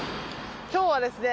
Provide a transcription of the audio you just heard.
今日はですね